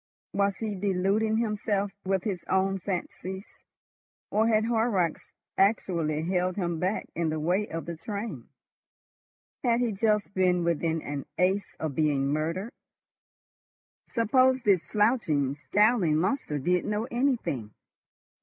Was he deluding himself with his own fancies, or had Horrocks actually held him back in the way of the train? Had he just been within an ace of being murdered? Suppose this slouching, scowling monster did know anything?